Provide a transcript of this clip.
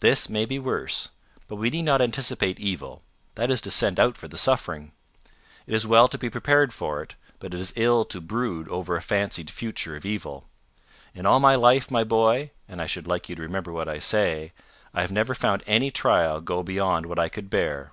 "This may be worse. But we need not anticipate evil: that is to send out for the suffering. It is well to be prepared for it, but it is ill to brood over a fancied future of evil. In all my life, my boy and I should like you to remember what I say I have never found any trial go beyond what I could bear.